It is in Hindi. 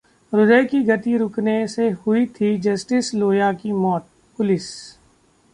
हृदय की गति रुकने से हुई थी जस्टिस लोया की मौत: पुलिस